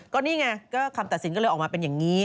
ก็นี่ไงก็คำตัดสินก็เลยออกมาเป็นอย่างนี้